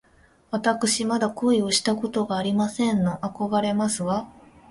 わたくしまだ恋をしたことがありませんの。あこがれますわ